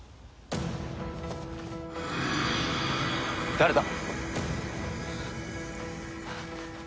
誰だ？